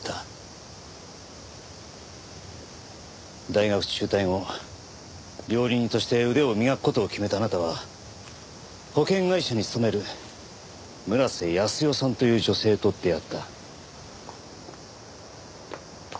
大学中退後料理人として腕を磨く事を決めたあなたは保険会社に勤める村瀬泰代さんという女性と出会った。